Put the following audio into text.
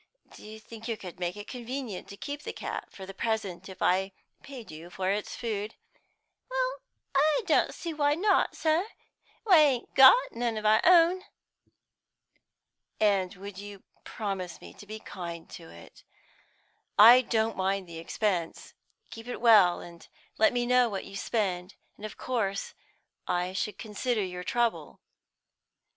Do you think you could make it convenient to keep the cat for the present, if I paid you for its food?" "Well, I don't see why not, sir; we ain't got none of our own." "And you would promise me to be kind to it? I don't mind the expense; keep it well, and let me know what you spend. And of course I should consider your trouble."